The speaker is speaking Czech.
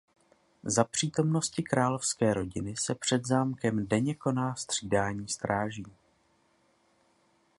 Za přítomnosti královské rodiny se před zámkem denně koná střídání stráží.